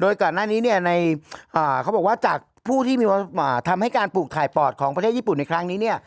โดยก่อนหน้านี้เนี่ยในเขาบอกว่าจากผู้ที่ทำให้การปลูกถ่ายปอดของประเทศญี่ปุ่นในครั้งนี้เนี่ย